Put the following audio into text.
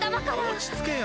落ち着けよ。